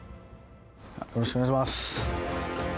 よろしくお願いします。